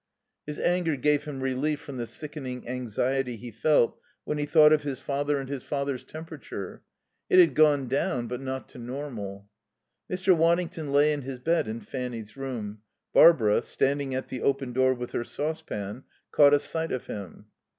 His anger gave him relief from the sickening anxiety he felt when he thought of his father and his father's temperature. It had gone down, but not to normal. Mr. Waddington lay in his bed in Fanny's room. Barbara, standing at the open door with her saucepan, caught a sight of him.